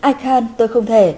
i can t tôi không thể